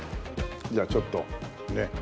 じゃあちょっとねえ。